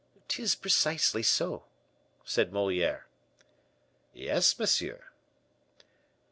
"'Tis precisely so," said Moliere. "Yes, monsieur."